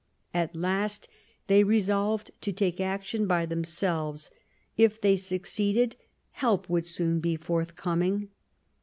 At last they resolved to take action by themselves ; if they succeeded, help would soon be forthcoming.